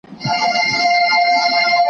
عبدالقيوم مينه وال عبدالله خيال